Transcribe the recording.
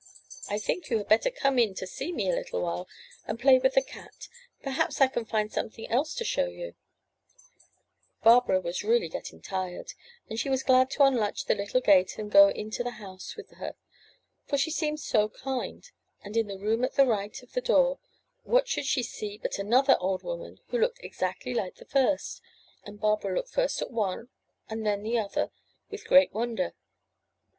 ''1 think you had better come in to see me a Httle while, and play with the cat; perhaps I can find some thing else to show you/' Barbara was really getting tired, and she was glad to unlatch the little gate, and go into the house with her, for she seemed so kind; and in the room at the right of the door what should she see but another old woman who looked exactly like the first, and Barbara looked first at one and then the other with great wonder.